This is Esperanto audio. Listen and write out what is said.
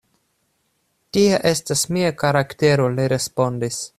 Tia estas mia karaktero, li respondis.